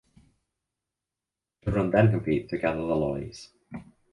Children then compete to gather the lollies.